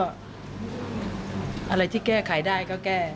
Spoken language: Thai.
อะไรที่แก้ไขได้ก็แก้